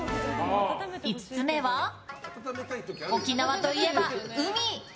５つ目は沖縄といえば海！